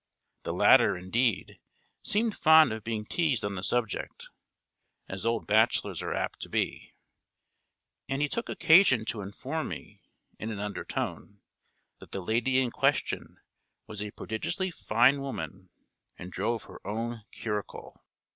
The latter, indeed, seemed fond of being teased on the subject, as old bachelors are apt to be; and he took occasion to inform me, in an under tone, that the lady in question was a prodigiously fine woman, and drove her own curricle.